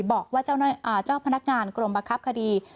บอกว่าเจ้าพนักงานกรมบังคับคดี